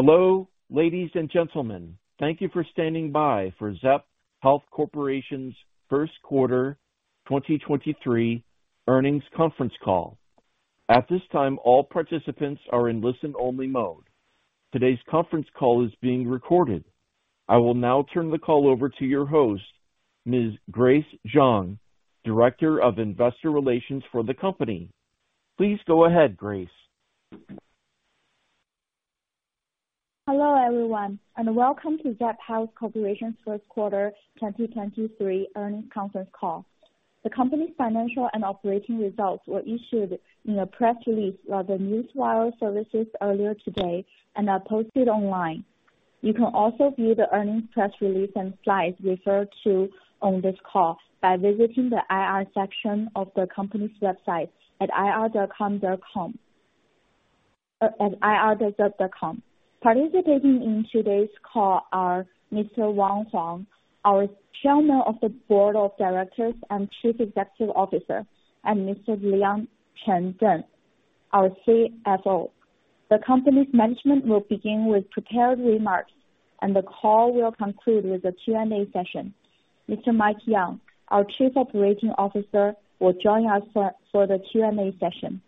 Hello, ladies and gentlemen. Thank you for standing by for Zepp Health Corporation's Q1 2023 earnings conference call. At this time, all participants are in listen-only mode. Today's conference call is being recorded. I will now turn the call over to your host, Ms. Grace Zhang, Director of Investor Relations for the company. Please go ahead, Grace. Hello, everyone, and welcome to Zepp Health Corporation's Q1 2023 earnings conference call. The company's financial and operating results were issued in a press release by the Newswire services earlier today and are posted online. You can also view the earnings press release and slides referred to on this call by visiting the IR section of the company's website at ir.zepp.com. Participating in today's call are Mr. Wang Huang, our Chairman of the Board of Directors and Chief Executive Officer, and Mr. Leon Cheng Deng, our CFO. The company's management will begin with prepared remarks, and the call will conclude with a Q&A session. Mr. Mike Yeung, our Chief Operating Officer, will join us for the Q&A session.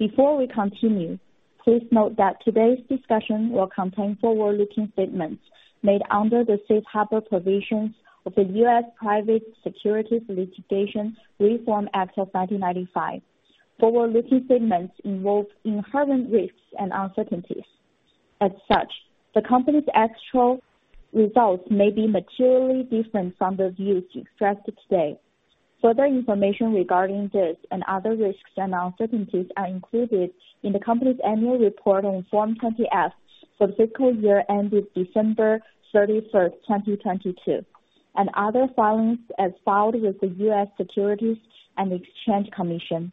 Before we continue, please note that today's discussion will contain forward-looking statements made under the Safe Harbor provisions of the U.S. Private Securities Litigation Reform Act of 1995. Forward-looking statements involve inherent risks and uncertainties. The company's actual results may be materially different from the views expressed today. Further information regarding this and other risks and uncertainties are included in the company's annual report on Form 20-F for the fiscal year ended December 31st, 2022, and other filings as filed with the U.S. Securities and Exchange Commission.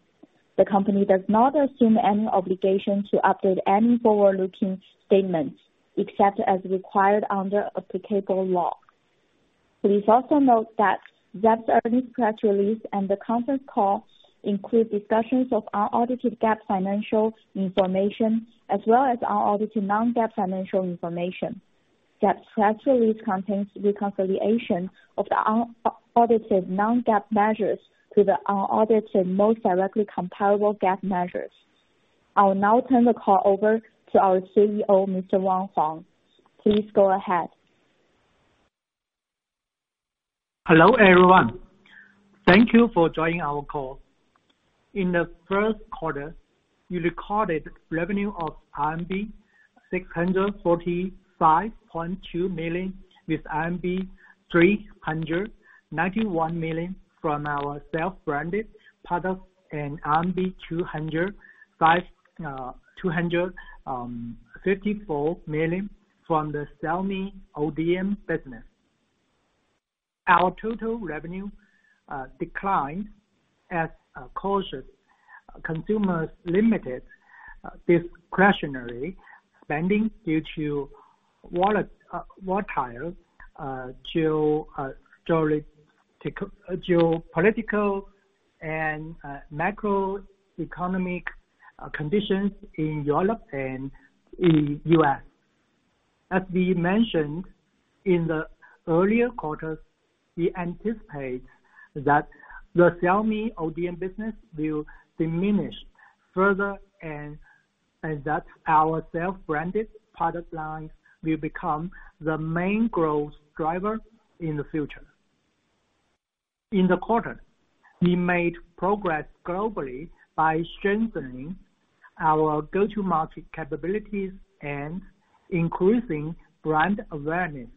The company does not assume any obligation to update any forward-looking statements except as required under applicable law. Please also note that Zepp's earnings press release and the conference call include discussions of unaudited GAAP financial information as well as unaudited non-GAAP financial information. Zepp's press release contains reconciliation of the unaudited non-GAAP measures to the unaudited most directly comparable GAAP measures. I will now turn the call over to our CEO, Mr. Wang Huang. Please go ahead. Hello, everyone. Thank you for joining our call. In the Q1, we recorded revenue of 645.2 million, with 391 million from our self-branded products and 254 million from the Xiaomi ODM business. Our total revenue declined as cautious consumers limited discretionary spending due to volatile geopolitical and macroeconomic conditions in Europe and in the U.S. As we mentioned in the earlier quarters, we anticipate that the Xiaomi ODM business will diminish further and that our self-branded product lines will become the main growth driver in the future. In the quarter, we made progress globally by strengthening our go-to-market capabilities and increasing brand awareness.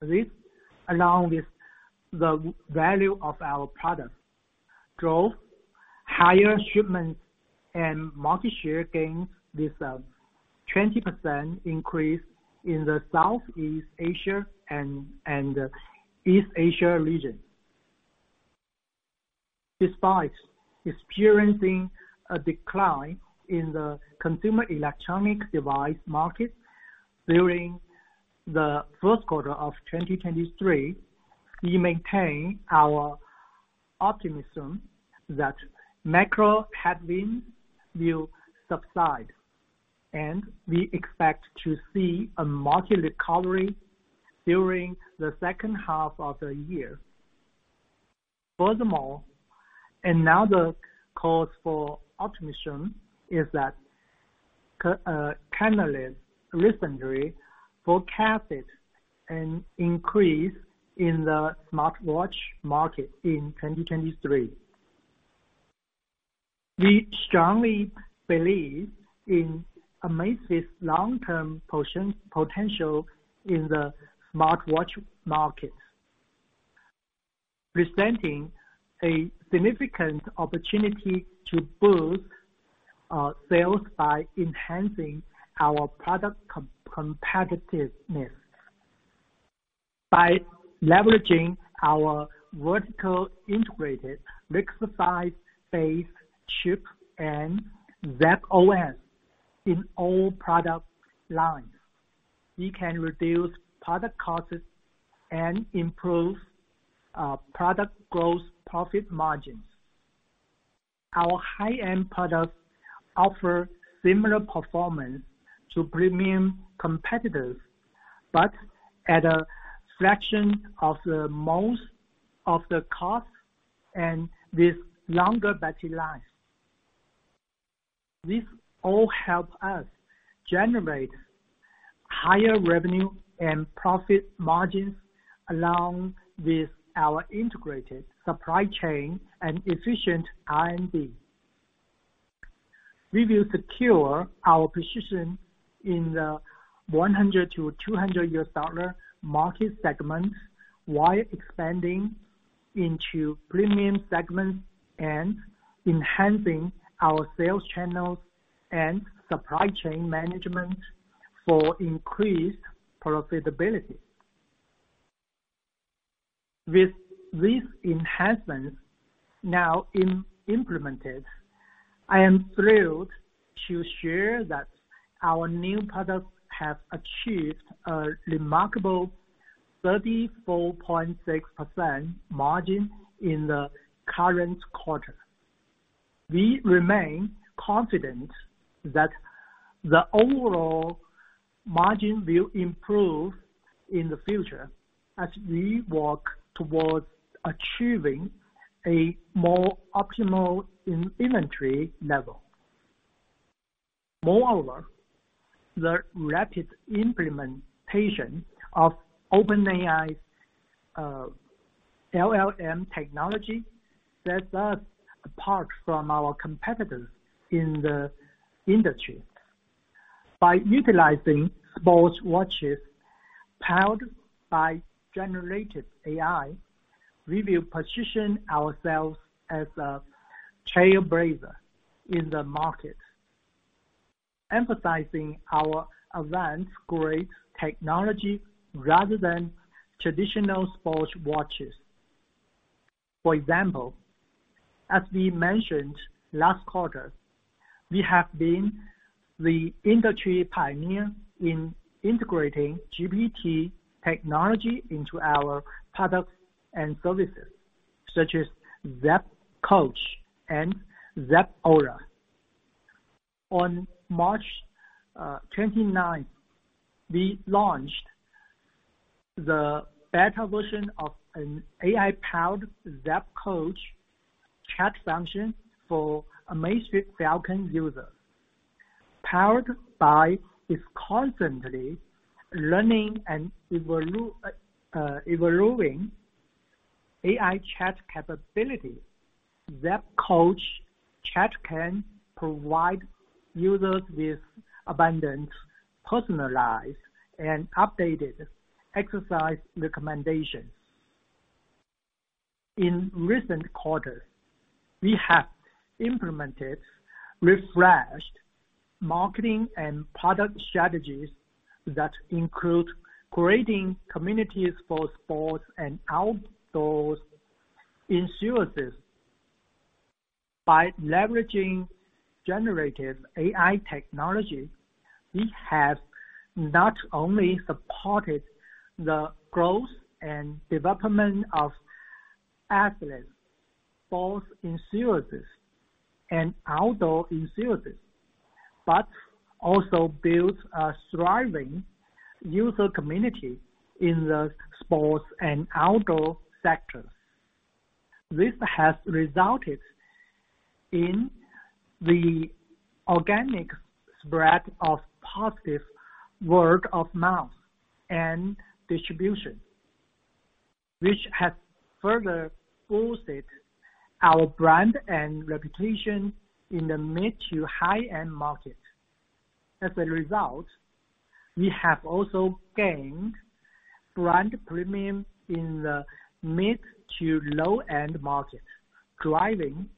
This, along with the value of our products, drove higher shipments and market share gains with 20% increase in the Southeast Asia and East Asia region. Despite experiencing a decline in the consumer electronic device market during the Q1 of 2023, we maintain our optimism that macro headwinds will subside, and we expect to see a market recovery during the second half of the year. Furthermore, another cause for optimism is that Canalys recently forecasted an increase in the smartwatch market in 2023. We strongly believe in Amazfit's long-term potential in the smartwatch market, presenting a significant opportunity to boost sales by enhancing our product competitiveness. By leveraging our vertical integrated mix of self-developed chip and Zepp OS in all product lines, we can reduce product costs and improve product gross profit margins. Our high-end products offer similar performance to premium competitors, but at a fraction of the most of the cost and with longer battery life. This all help us generate higher revenue and profit margins, along with our integrated supply chain and efficient R&D. We will secure our position in the $100-$200 market segments while expanding into premium segments and enhancing our sales channels and supply chain management for increased profitability. With these enhancements now implemented, I am thrilled to share that our new products have achieved a remarkable 34.6% margin in the current quarter. We remain confident that the overall margin will improve in the future as we work towards achieving a more optimal in-inventory level. Moreover, the rapid implementation of OpenAI's LLM technology sets us apart from our competitors in the industry. By utilizing sports watches powered by generative AI, we will position ourselves as a trailblazer in the market, emphasizing our advanced-grade technology rather than traditional sports watches. For example, as we mentioned last quarter, we have been the industry pioneer in integrating GPT technology into our products and services, such as Zepp Coach and Zepp Aura. On March 29th, we launched the beta version of an AI-powered Zepp Coach chat function for Amazfit Falcon users. Powered by its constantly learning and evolving AI chat capability, Zepp Coach chat can provide users with abundant, personalized, and updated exercise recommendations. In recent quarters, we have implemented refreshed marketing and product strategies that include creating communities for sports and outdoors enthusiasts. By leveraging generative AI technology, we have not only supported the growth and development of athletes, both enthusiasts and outdoor enthusiasts, but also built a thriving user community in the sports and outdoor sectors. This has resulted in the organic spread of positive word of mouth and distribution, which has further boosted our brand and reputation in the mid-to-high-end market. As a result, we have also gained brand premium in the mid-to-low-end market, driving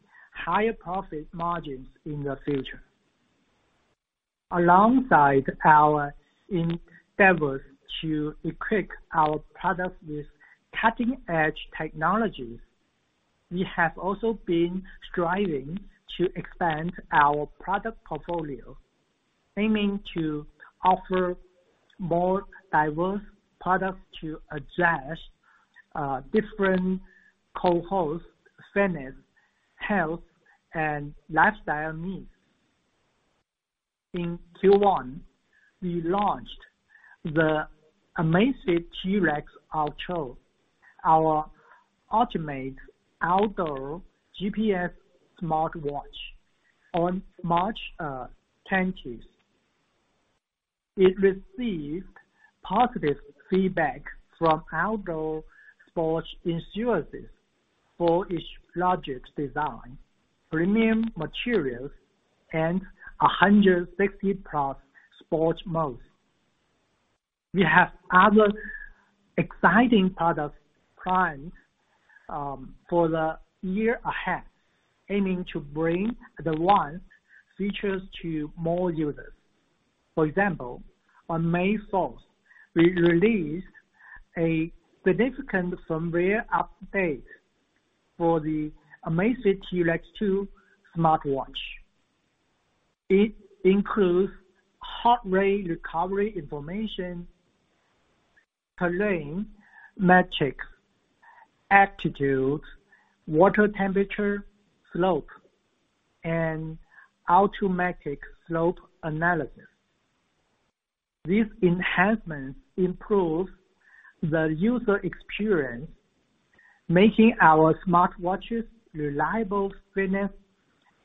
higher profit margins in the future. Alongside our endeavors to equip our products with cutting-edge technologies, we have also been striving to expand our product portfolio, aiming to offer more diverse products to address different cohorts, fitness, health, and lifestyle needs. In Q1, we launched the Amazfit T-Rex Ultra, our ultimate outdoor GPS smartwatch on March 20th. It received positive feedback from outdoor sports enthusiasts for its logic design, premium materials, and 160+ sports modes. We have other exciting products planned for the year ahead, aiming to bring advanced features to more users. For example, on May Fourth, we released a significant firmware update for the Amazfit T-Rex 2 smartwatch. It includes heart rate recovery informationTerrain metrics, attitude, water temperature, slope, and automatic slope analysis. These enhancements improve the user experience, making our smartwatches reliable fitness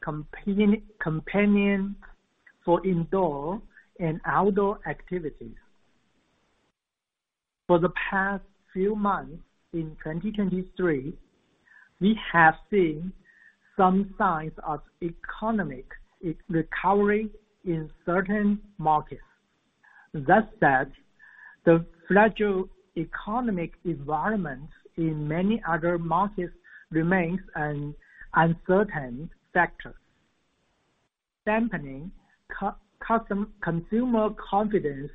companion for indoor and outdoor activities. For the past few months in 2023, we have seen some signs of economic recovery in certain markets. That said, the fragile economic environment in many other markets remains an uncertain factor, dampening consumer confidence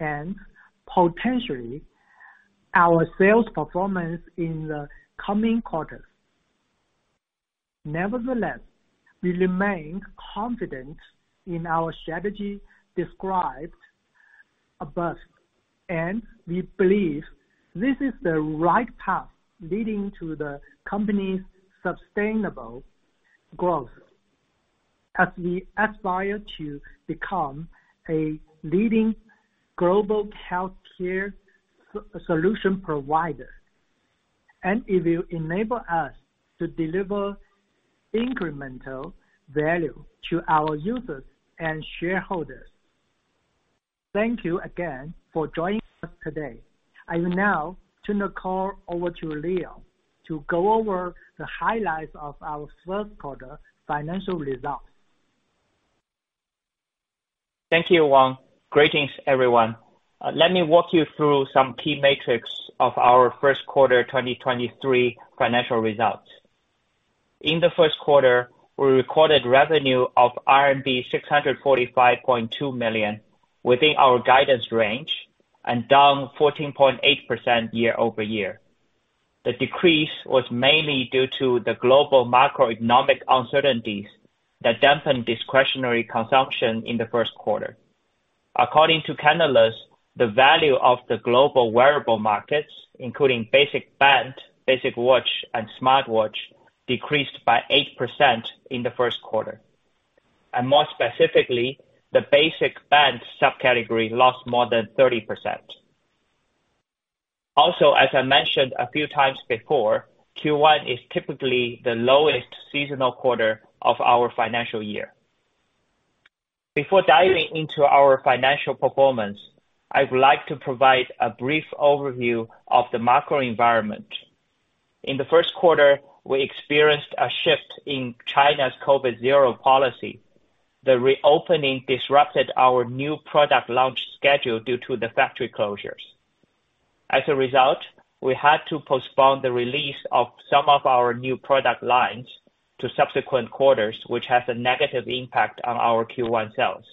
and potentially our sales performance in the coming quarters. Nevertheless, we remain confident in our strategy described above, and we believe this is the right path leading to the company's sustainable growth as we aspire to become a leading global healthcare solution provider, and it will enable us to deliver incremental value to our users and shareholders. Thank you again for joining us today. I will now turn the call over to Leon to go over the highlights of our Q1 financial results. Thank you, Wang. Greetings, everyone. Let me walk you through some key metrics of our Q1 2023 financial results. In the Q1, we recorded revenue of RMB 645.2 million within our guidance range and down 14.8% year-over-year. The decrease was mainly due to the global macroeconomic uncertainties that dampened discretionary consumption in the Q1. According to Canalys, the value of the global wearable markets, including basic band, basic watch, and smartwatch, decreased by 8% in the Q1. More specifically, the basic band subcategory lost more than 30%. Also, as I mentioned a few times before, Q1 is typically the lowest seasonal quarter of our financial year. Before diving into our financial performance, I would like to provide a brief overview of the macro environment. In the Q1, we experienced a shift in China's zero-COVID policy. The reopening disrupted our new product launch schedule due to the factory closures. As a result, we had to postpone the release of some of our new product lines to subsequent quarters, which has a negative impact on our Q1 sales.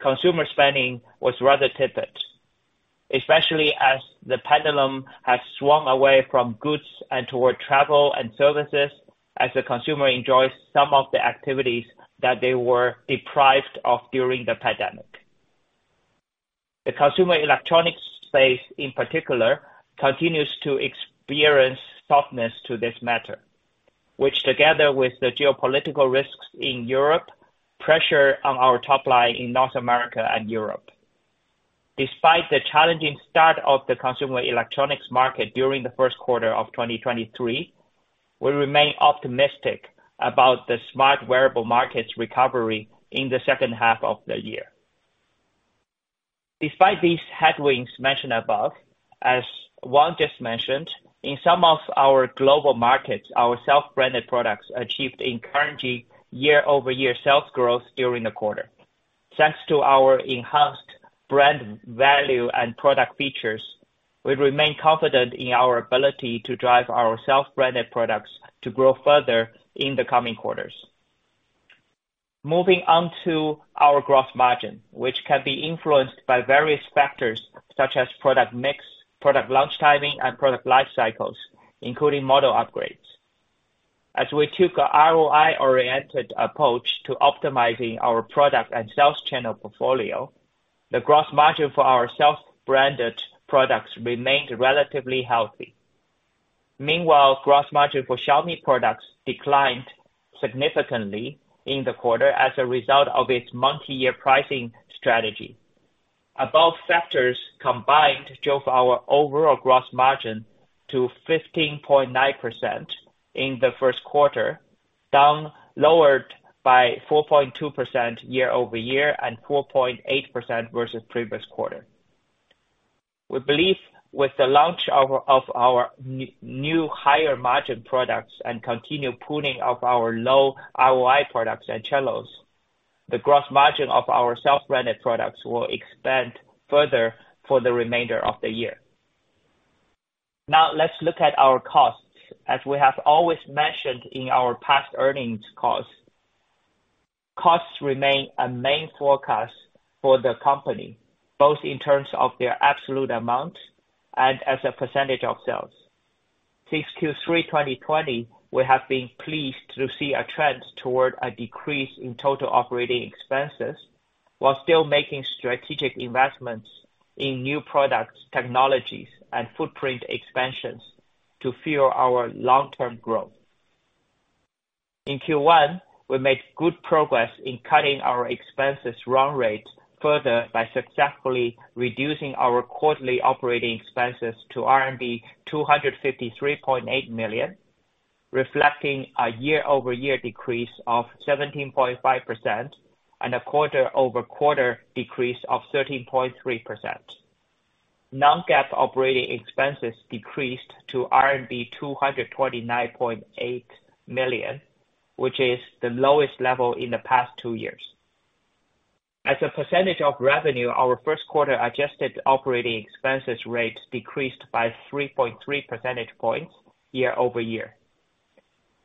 Consumer spending was rather tepid, especially as the pendulum has swung away from goods and toward travel and services as the consumer enjoys some of the activities that they were deprived of during the pandemic. The consumer electronics space, in particular, continues to experience softness to this matter, which, together with the geopolitical risks in Europe, pressure on our top line in North America and Europe. Despite the challenging start of the consumer electronics market during the Q1 of 2023, we remain optimistic about the smart wearable market's recovery in the second half of the year. Despite these headwinds mentioned above, as Wang just mentioned, in some of our global markets, our self-branded products achieved encouraging year-over-year sales growth during the quarter. Thanks to our enhanced brand value and product features, we remain confident in our ability to drive our self-branded products to grow further in the coming quarters. Moving on to our gross margin, which can be influenced by various factors such as product mix, product launch timing, and product life cycles, including model upgrades. As we took a ROI-oriented approach to optimizing our product and sales channel portfolio, the gross margin for our self-branded products remained relatively healthy. Meanwhile, gross margin for Xiaomi products declined significantly in the quarter as a result of its multi-year pricing strategy. Above factors combined drove our overall gross margin to 15.9% in the Q1, down lowered by 4.2% year-over-year and 4.8% versus previous quarter. We believe with the launch of our new higher margin products and continued pruning of our low ROI products and channels, the gross margin of our self-branded products will expand further for the remainder of the year. Let's look at our costs. As we have always mentioned in our past earnings calls, costs remain a main focus for the company, both in terms of their absolute amount and as a percentage of sales. Since Q3 2020, we have been pleased to see a trend toward a decrease in total operating expenses, while still making strategic investments in new products, technologies, and footprint expansions to fuel our long-term growth. In Q1, we made good progress in cutting our expenses run rate further by successfully reducing our quarterly operating expenses to RMB 253.8 million, reflecting a year-over-year decrease of 17.5% and a quarter-over-quarter decrease of 13.3%. Non-GAAP operating expenses decreased to RMB 229.8 million, which is the lowest level in the past two years. As a percentage of revenue, our Q1 adjusted operating expenses rate decreased by 3.3 percentage points year-over-year.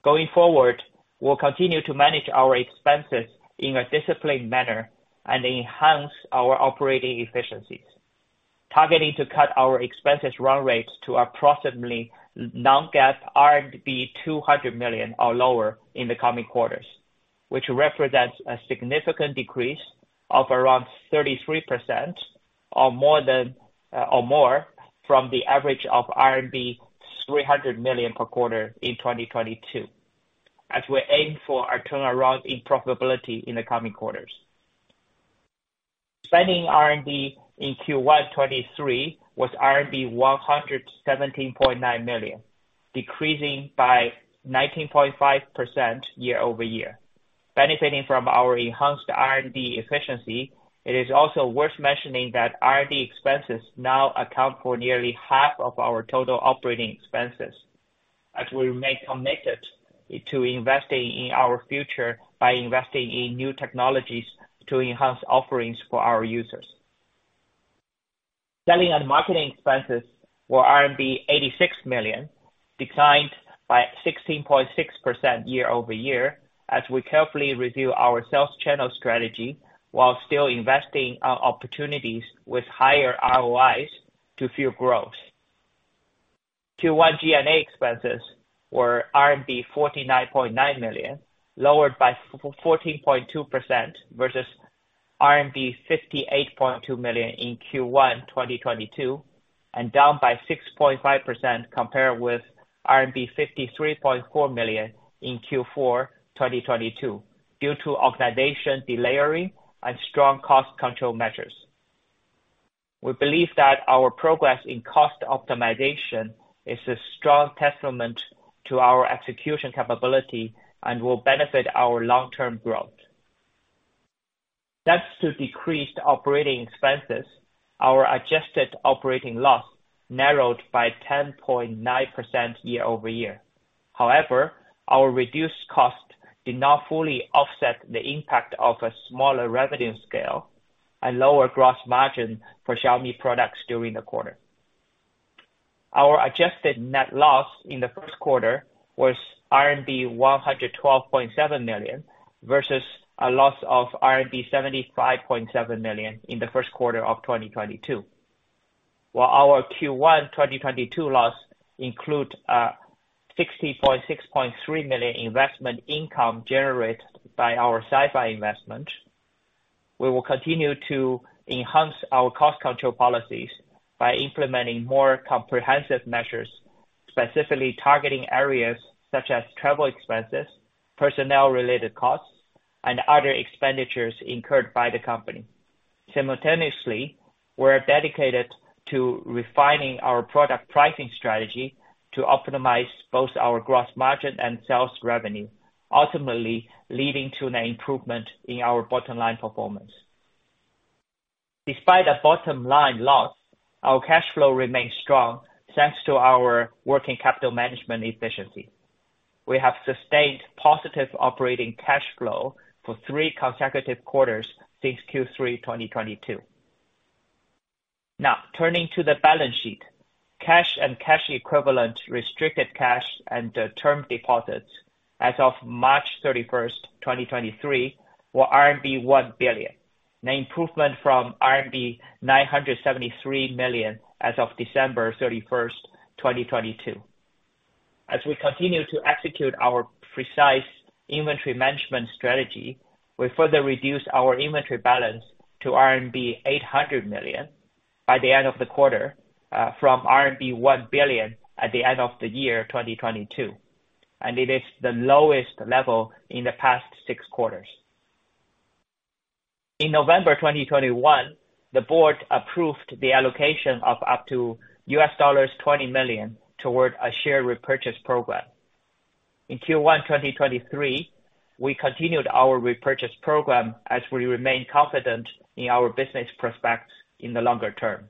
Going forward, we'll continue to manage our expenses in a disciplined manner and enhance our operating efficiencies, targeting to cut our expenses run rates to approximately non-GAAP RMB 200 million or lower in the coming quarters, which represents a significant decrease of around 33% or more than or more from the average of RMB 300 million per quarter in 2022, as we aim for our turnaround in profitability in the coming quarters. Spending R&D in Q1 2023 was RMB 117.9 million, decreasing by 19.5% year-over-year. Benefiting from our enhanced R&D efficiency, it is also worth mentioning that R&D expenses now account for nearly half of our total operating expenses as we remain committed to investing in our future by investing in new technologies to enhance offerings for our users. Selling and marketing expenses were RMB 86 million, declined by 16.6% year-over-year, as we carefully review our sales channel strategy while still investing on opportunities with higher ROIs to fuel growth. Q1 G&A expenses were RMB 49.9 million, lowered by 14.2% versus RMB 58.2 million in Q1 2022, and down by 6.5% compared with RMB 53.4 million in Q4 2022 due to optimization, delayering, and strong cost control measures. We believe that our progress in cost optimization is a strong testament to our execution capability and will benefit our long-term growth. Thanks to decreased operating expenses, our adjusted operating loss narrowed by 10.9% year-over-year. Our reduced cost did not fully offset the impact of a smaller revenue scale and lower gross margin for Xiaomi products during the quarter. Our adjusted net loss in the Q1 was RMB 112.7 million, versus a loss of RMB 75.7 million in the Q1 of 2022. While our Q1 2022 loss include 64.3 million investment income generated by our SiFive investment, we will continue to enhance our cost control policies by implementing more comprehensive measures, specifically targeting areas such as travel expenses, personnel-related costs, and other expenditures incurred by the company. Simultaneously, we're dedicated to refining our product pricing strategy to optimize both our gross margin and sales revenue, ultimately leading to an improvement in our bottom line performance. Despite a bottom line loss, our cash flow remains strong, thanks to our working capital management efficiency. We have sustained positive operating cash flow for three consecutive quarters since Q3 2022. Turning to the balance sheet. Cash and cash equivalents, restricted cash and term deposits as of March 31, 2023, were RMB 1 billion, an improvement from RMB 973 million as of December 31, 2022. As we continue to execute our precise inventory management strategy, we further reduced our inventory balance to RMB 800 million by the end of the quarter, from RMB 1 billion at the end of the year 2022. It is the lowest level in the past 6 quarters. In November 2021, the board approved the allocation of up to $20 million towards a share repurchase program. In Q1 2023, we continued our repurchase program as we remain confident in our business prospects in the longer term.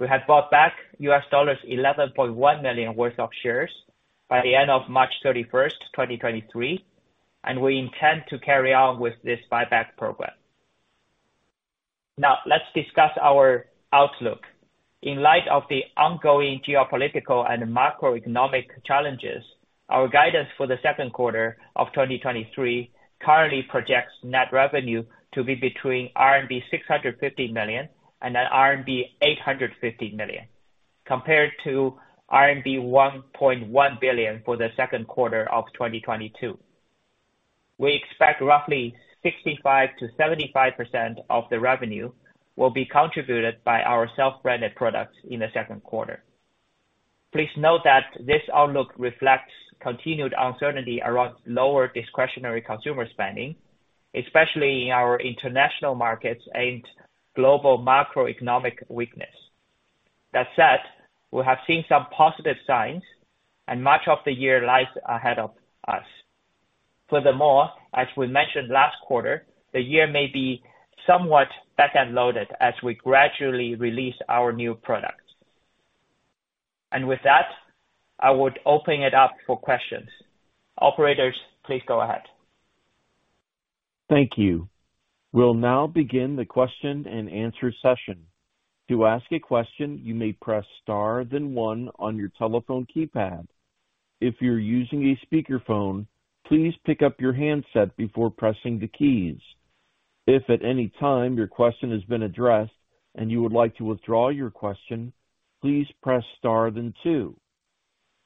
We have bought back $11.1 million worth of shares by the end of March 31st, 2023, and we intend to carry on with this buyback program. Let's discuss our outlook. In light of the ongoing geopolitical and macroeconomic challenges. Our guidance for the Q2 of 2023 currently projects net revenue to be between RMB 650 million and RMB 850 million, compared to RMB 1.1 billion for the Q2 of 2022. We expect roughly 65% to 75% of the revenue will be contributed by our self-branded products in the Q2. Please note that this outlook reflects continued uncertainty around lower discretionary consumer spending, especially in our international markets and global macroeconomic weakness. That said, we have seen some positive signs and much of the year lies ahead of us. Furthermore, as we mentioned last quarter, the year may be somewhat back-end loaded as we gradually release our new products. With that, I would open it up for questions. Operators, please go ahead. Thank you. We'll now begin the question and answer session. To ask a question, you may press Star then one on your telephone keypad. If you're using a speakerphone, please pick up your handset before pressing the keys. If at any time your question has been addressed and you would like to withdraw your question, please press Star then two.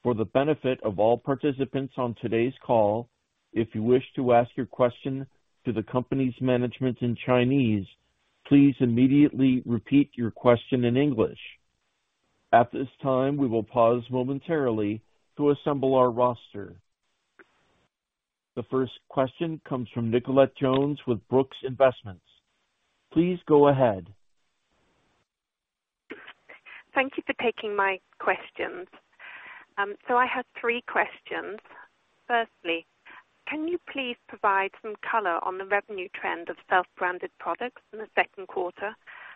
For the benefit of all participants on today's call, if you wish to ask your question to the company's management in Chinese, please immediately repeat your question in English. At this time, we will pause momentarily to assemble our roster. The first question comes from Nicolette Jones with Brooks Investments. Please go ahead. Thank you for taking my questions. I had three questions. Firstly, can you please provide some color on the revenue trend of self-branded products in the Q2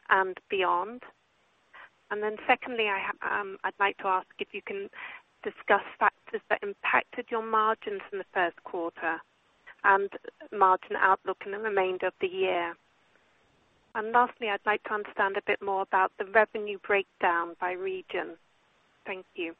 and beyond? Secondly, I have, I'd like to ask if you can discuss factors that impacted your margins in the Q1 and margin outlook in the remainder of the year. Lastly, I'd like to understand a bit more about the revenue breakdown by region. Thank you.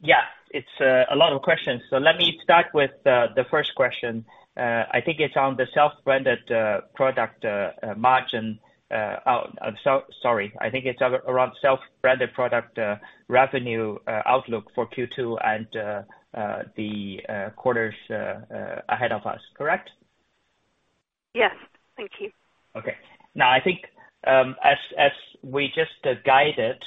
Yeah, it's a lot of questions. Let me start with the first question. I think it's on the self-branded product margin. So sorry. I think it's around self-branded product revenue outlook for Q2 and the quarters ahead of us. Correct? Yes. Thank you. Okay. Now, I think, as we just guided,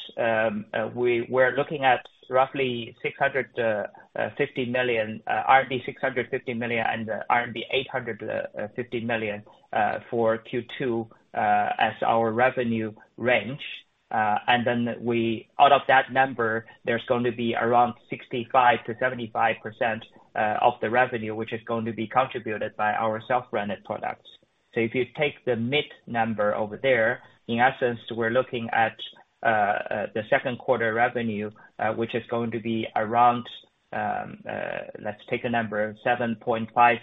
we're looking at roughly 650 million, RMB 650 million and RMB 850 million for Q2 as our revenue range. Out of that number, there's going to be around 65%-75% of the revenue, which is going to be contributed by our self-branded products. If you take the mid number over there, in essence, we're looking at the Q2 revenue, which is going to be around, let's take the number 7.5,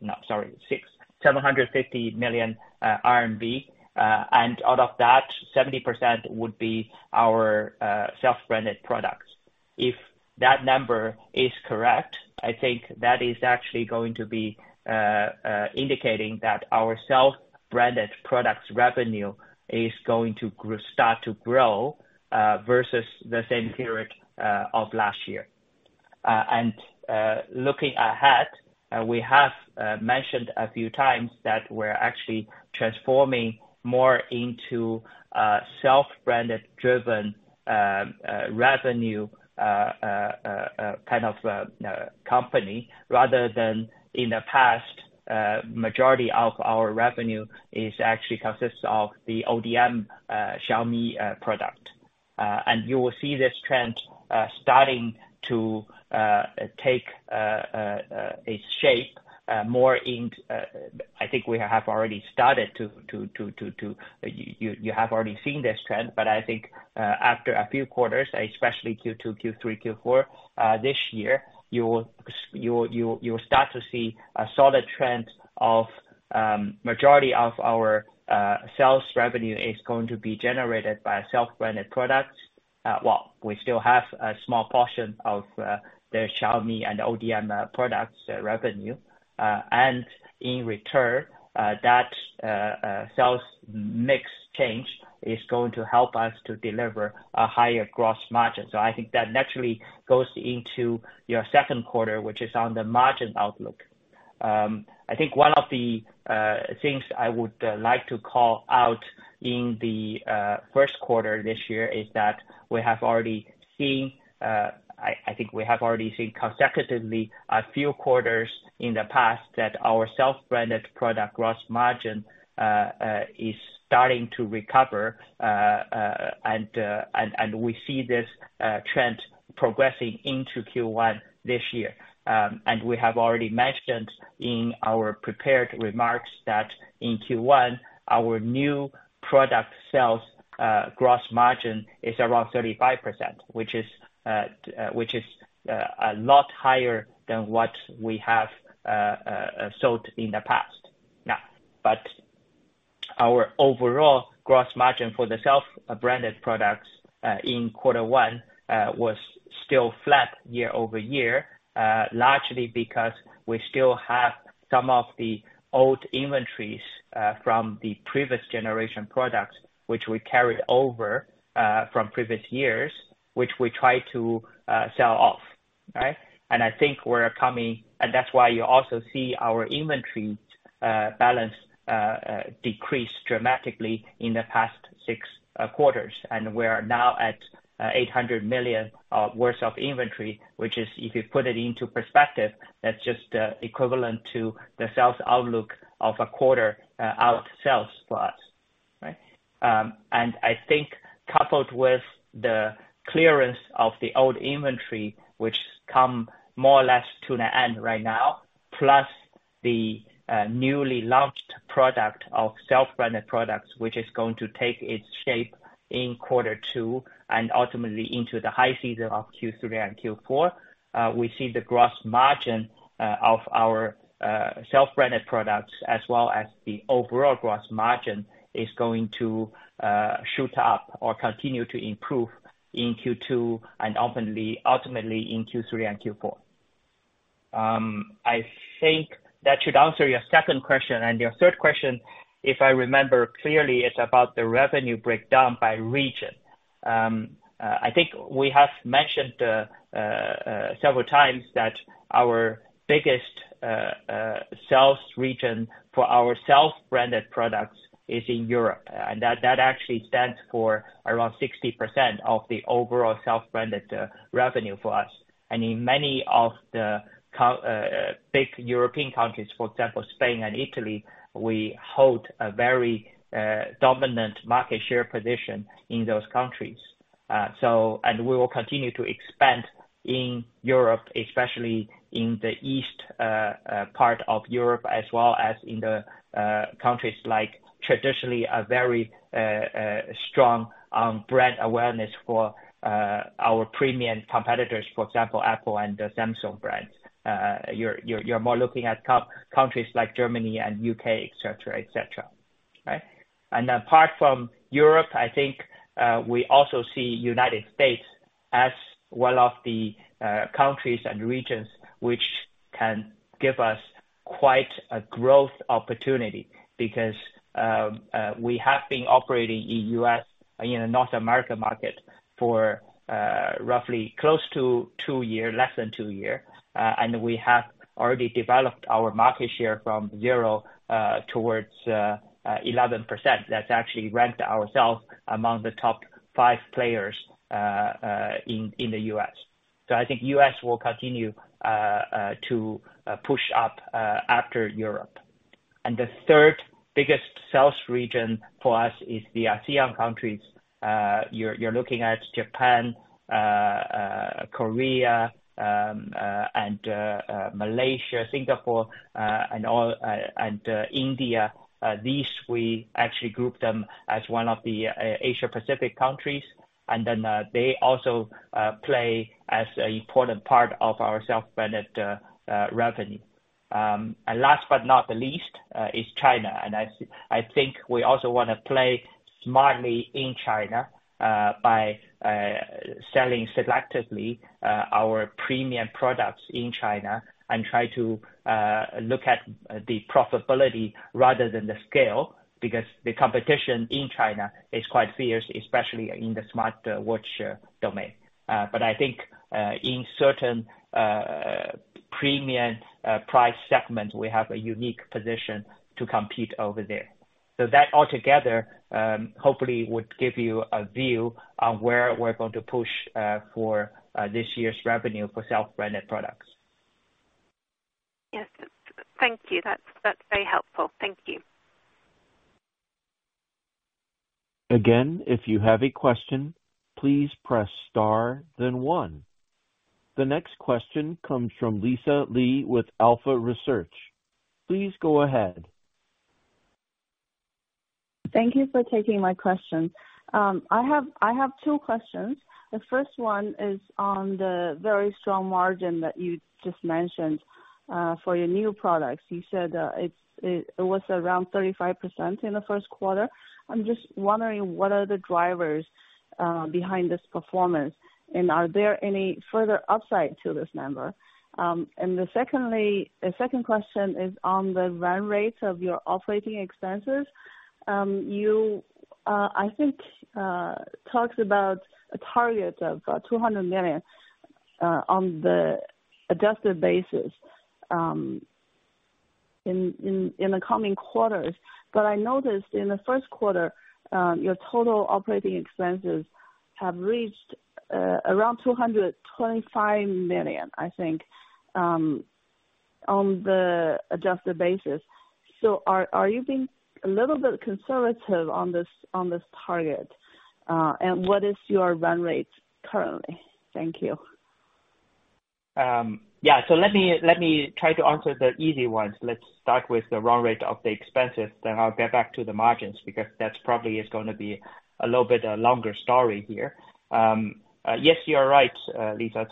no, sorry, 6, 750 million RMB. Out of that, 70% would be our self-branded products. If that number is correct, I think that is actually going to be indicating that our self-branded products revenue is going to start to grow versus the same period of last year. Looking ahead, we have mentioned a few times that we're actually transforming more into self-branded driven revenue kind of company, rather than in the past, majority of our revenue is actually consists of the ODM Xiaomi product. You will see this trend starting to take a shape more in, I think we have already started to, you have already seen this trend, but I think after a few quarters, especially Q2, Q3, Q4, this year, you will start to see a solid trend of majority of our sales revenue is going to be generated by self-branded products. Well, we still have a small portion of the Xiaomi and ODM products revenue. In return, that sales mix change is going to help us to deliver a higher gross margin. I think that naturally goes into your Q2, which is on the margin outlook. I think one of the things I would like to call out in the Q1 this year is that I think we have already seen consecutively a few quarters in the past that our self-branded product gross margin is starting to recover, and we see this trend progressing into Q1 this year. We have already mentioned in our prepared remarks that in Q1, our new product sales gross margin is around 35%, which is a lot higher than what we have sold in the past. Our overall gross margin for the self-branded products in quarter one was still flat year-over-year, largely because we still have some of the old inventories from the previous generation products which we carried over from previous years, which we tried to sell off. Right? That's why you also see our inventory balance decrease dramatically in the past six quarters. We're now at $800 million worth of inventory, which is, if you put it into perspective, that's just equivalent to the sales outlook of a quarter out sales for us. Right? I think coupled with the clearance of the old inventory, which come more or less to an end right now, plus the newly launched product of self-branded products, which is going to take its shape in Q2 and ultimately into the high season of Q3 and Q4, we see the gross margin of our self-branded products as well as the overall gross margin is going to shoot up or continue to improve in Q2 and ultimately in Q3 and Q4. I think that should answer your second question. Your third question, if I remember clearly, it's about the revenue breakdown by region. I think we have mentioned several times that our biggest sales region for our self-branded products is in Europe, and that actually stands for around 60% of the overall self-branded revenue for us. In many of the big European countries, for example, Spain and Italy, we hold a very dominant market share position in those countries. We will continue to expand in Europe, especially in the east part of Europe, as well as in the countries like traditionally a very strong brand awareness for our premium competitors, for example, Apple and the Samsung brands. You're more looking at countries like Germany and UK, et cetera, et cetera. Right? Apart from Europe, I think, we also see United States as one of the countries and regions which can give us quite a growth opportunity because we have been operating in US, in the North America market for roughly close to 2 year, less than 2 year. We have already developed our market share from 0 towards 11%. That's actually ranked ourselves among the top 5 players in the US. I think US will continue to push up after Europe. The third biggest sales region for us is the ASEAN countries. You're looking at Japan, Korea, and Malaysia, Singapore, and all, and India. These, we actually group them as one of the Asia Pacific countries. Then, they also play as an important part of our self-branded revenue. Last but not the least, is China. I think we also wanna play smartly in China by selling selectively our premium products in China and try to look at the profitability rather than the scale, because the competition in China is quite fierce, especially in the smartwatch domain. But I think in certain premium price segment, we have a unique position to compete over there. That altogether, hopefully would give you a view on where we're going to push for this year's revenue for self-branded products. Yes. Thank you. That's very helpful. Thank you. Again, if you have a question, please press star then one. The next question comes from Lisa Lee with Alpha Research. Please go ahead. Thank you for taking my question. I have two questions. The first one is on the very strong margin that you just mentioned for your new products. You said it was around 35% in the Q1. I'm just wondering, what are the drivers behind this performance, and are there any further upside to this number? The second question is on the run rate of your operating expenses. You, I think, talks about a target of $200 million on the adjusted basis in the coming quarters. I noticed in the Q1, your total operating expenses have reached around $225 million, I think, on the adjusted basis. Are you being a little bit conservative on this target? What is your run rate currently? Thank you. Yeah. Let me try to answer the easy ones. Let's start with the run rate of the expenses, then I'll get back to the margins because that's probably is gonna be a little bit a longer story here. Yes, you are right, Lisa.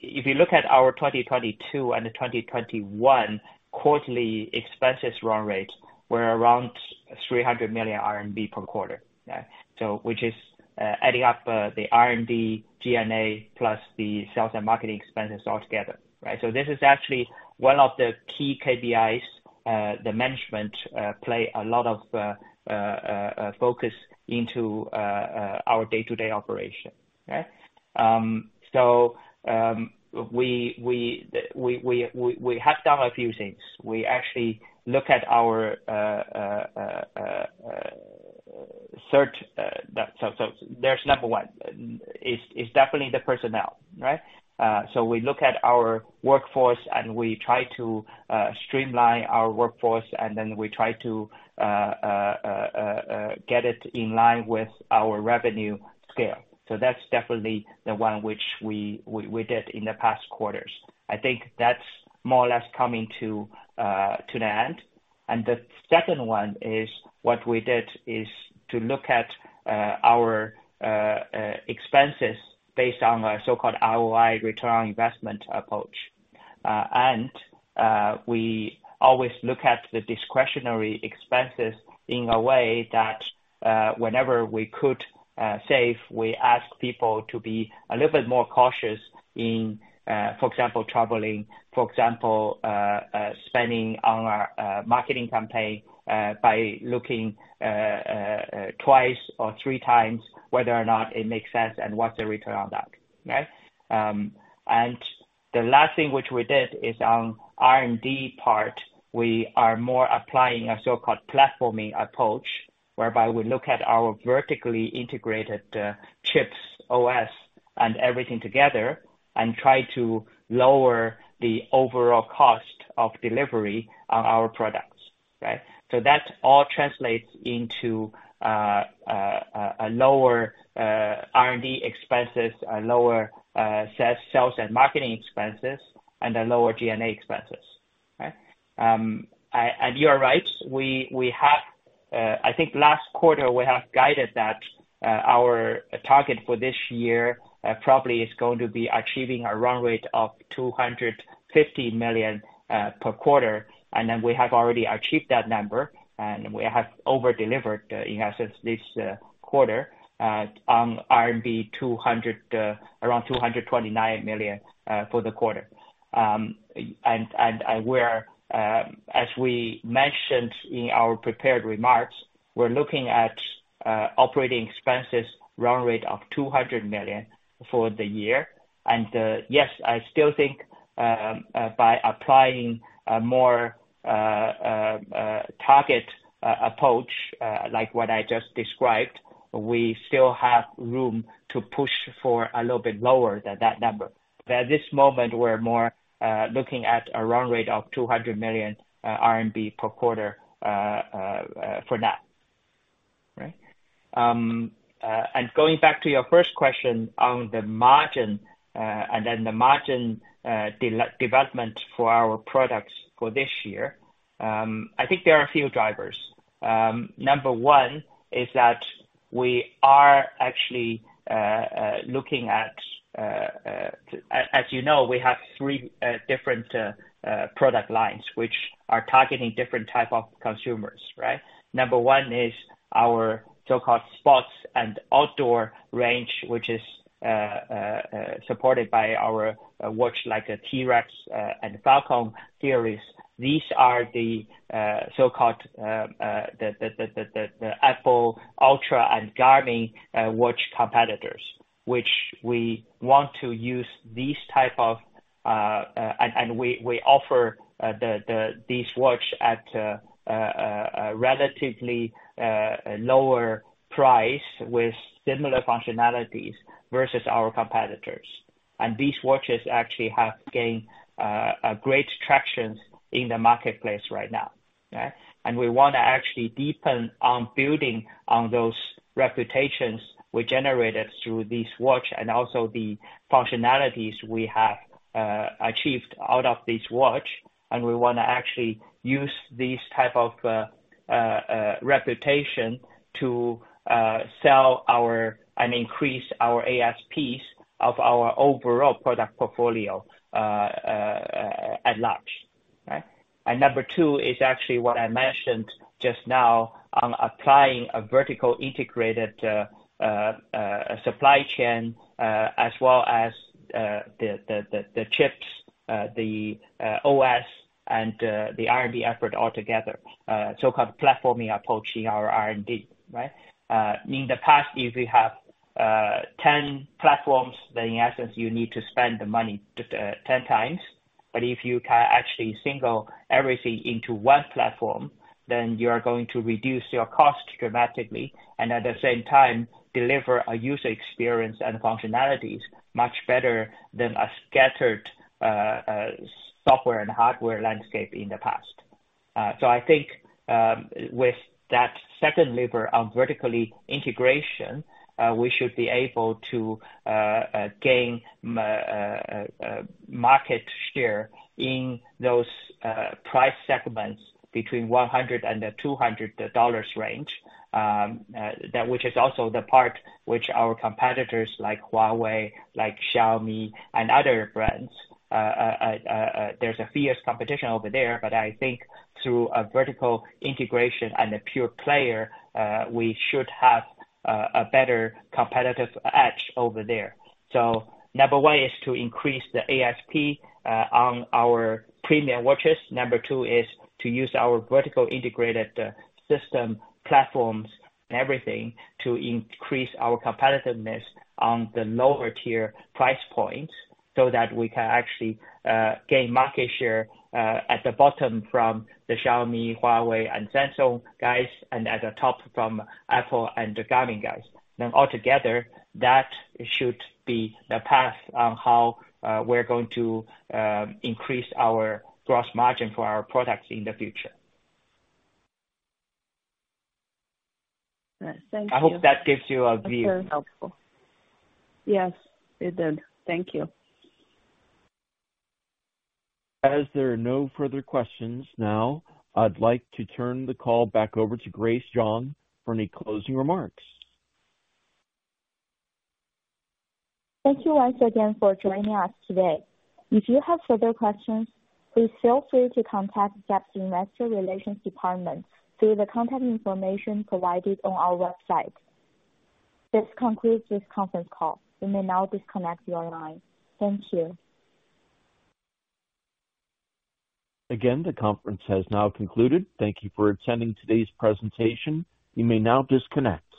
If you look at our 2022 and the 2021 quarterly expenses run rate were around 300 million RMB per quarter. Yeah. Which is adding up the R&D, G&A, plus the sales and marketing expenses altogether, right? This is actually one of the key KPIs, the management play a lot of focus into our day-to-day operation. Okay? We have done a few things. We actually look at our search, so there's number one, is definitely the personnel, right? We look at our workforce, and we try to streamline our workforce, and then we try to get it in line with our revenue scale. That's definitely the one which we did in the past quarters. I think that's more or less coming to an end. The second one is what we did is to look at our expenses based on our so-called ROI return on investment approach. We always look at the discretionary expenses in a way that whenever we could save, we ask people to be a little bit more cautious in, for example, traveling, for example, spending on our marketing campaign, by looking twice or three times whether or not it makes sense and what's the return on that. Right? The last thing which we did is on R&D part, we are more applying a so-called platforming approach, whereby we look at our vertically integrated chips, OS and everything together and try to lower the overall cost of delivery on our products. Right? That all translates into a lower R&D expenses, a lower sales and marketing expenses and a lower G&A expenses. Right? You are right, we have, I think last quarter we have guided that our target for this year probably is going to be achieving a run rate of 250 million per quarter. Then we have already achieved that number, and we have over-delivered in essence this quarter on RMB 200, around 229 million for the quarter. Where, as we mentioned in our prepared remarks, we're looking at operating expenses run rate of 200 million for the year. Yes, I still think by applying a more target approach, like what I just described, we still have room to push for a little bit lower than that number. At this moment we're more looking at a run rate of 200 million RMB per quarter for that. Right? Going back to your first question on the margin and the margin de-development for our products for this year, I think there are a few drivers. Number one is that we are actually looking at, as you know, we have three different product lines which are targeting different type of consumers, right? Number one is our so-called sports and outdoor range, which is supported by our watch, like a T-Rex and Falcon series. These are the so-called the Apple Ultra and Garmin watch competitors, which we want to use these type of... We offer these watch at a relatively lower price with similar functionalities versus our competitors. These watches actually have gained a great traction in the marketplace right now, right? We want to actually deepen on building on those reputations we generated through this watch and also the functionalities we have achieved out of this watch. We wanna actually use this type of reputation to sell our, and increase our ASPs of our overall product portfolio at large. Right? Number two is actually what I mentioned just now on applying a vertical integrated supply chain as well as the chips, the OS and the R&D effort all together, so-called platforming approach in our R&D. Right? In the past, if we have ten platforms, then in essence you need to spend the money just ten times. If you can actually single everything into one platform, then you are going to reduce your cost dramatically and at the same time deliver a user experience and functionalities much better than a scattered software and hardware landscape in the past. I think, with that second lever on vertically integration, we should be able to gain market share in those price segments between $100-$200 range, that which is also the part which our competitors like Huawei, like Xiaomi and other brands, there's a fierce competition over there. I think through a vertical integration and a pure player, we should have a better competitive edge over there. Number one is to increase the ASP on our premium watches. Number two is to use our vertical integrated system platforms and everything to increase our competitiveness on the lower tier price points so that we can actually gain market share at the bottom from the Xiaomi, Huawei and Samsung guys and at the top from Apple and the Garmin guys. Altogether, that should be the path on how we're going to increase our gross margin for our products in the future. Right. Thank you. I hope that gives you a view. That's very helpful. Yes, it did. Thank you. As there are no further questions now, I'd like to turn the call back over to Grace Zhang for any closing remarks. Thank you once again for joining us today. If you have further questions, please feel free to contact Zepp's Investor Relations department through the contact information provided on our website. This concludes this conference call. You may now disconnect your line. Thank you. The conference has now concluded. Thank you for attending today's presentation. You may now disconnect.